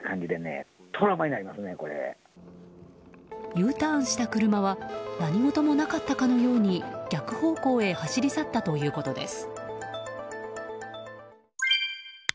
Ｕターンした車は何事もなかったかのように逆方向へ走り去ったということです。